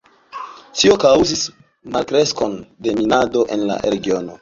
Tio kaŭzis malkreskon de minado en la regiono.